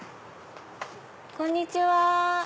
こんにちは。